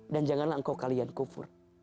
dan janganlah engkau kufur